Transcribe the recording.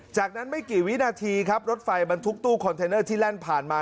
จากนั้นไม่กี่วินาทีครับรถไฟบรรทุกตู้คอนเทนเนอร์ที่แล่นผ่านมา